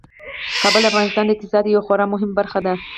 کابل د افغانستان د اقتصاد یوه خورا مهمه برخه ده.